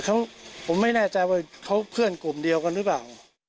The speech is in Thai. เขาผมไม่แน่ใจว่าเขาเพื่อนกลุ่มเดียวกันหรือเปล่า